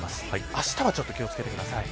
あしたはちょっと気を付けてください。